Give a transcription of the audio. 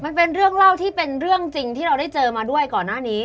มันเป็นเรื่องเล่าที่เป็นเรื่องจริงที่เราได้เจอมาด้วยก่อนหน้านี้